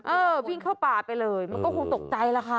เออวิ่งเข้าป่าไปเลยมันก็คงตกใจแล้วค่ะ